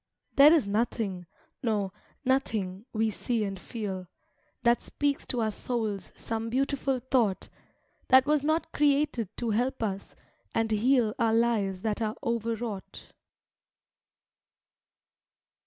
There is nothing, no, nothing, we see and feel. That speaks to our souls some beautiful thought, That was not created to help us, and heal Our lives that are overwrought.